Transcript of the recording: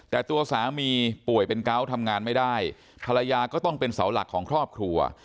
แต่ตัวสามีป่วยเป็นเกาะทำงานไม่ได้ภรรยาก็ต้องเป็นเสาหลักของครอบครัว